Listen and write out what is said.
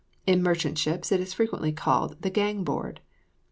In merchant ships it is frequently called the gang board.